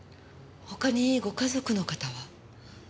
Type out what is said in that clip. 他にご家族の方は？